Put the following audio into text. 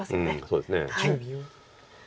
そうですね。